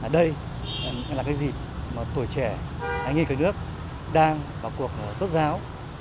đây là cái dịp mà tuổi trẻ anh y cưới nước đang vào cuộc rốt ráo